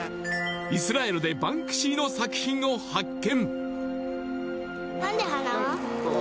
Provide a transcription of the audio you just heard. イスラエルでバンクシーの作品を発見